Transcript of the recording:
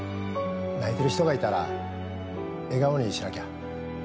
泣いてる人がいたら笑顔にしなきゃ。